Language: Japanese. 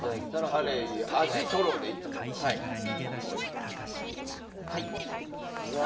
カレイ、アジ、トロでいったほうがいいみたいですよ。